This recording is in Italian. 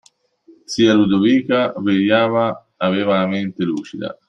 Zia Ludovica vegliava, aveva la mente lucida.